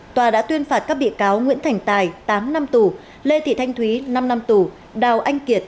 tòa đã tuyên phạt các bị cáo nguyễn thành tài tám năm tù lê thị thanh thúy năm năm tù đào anh kiệt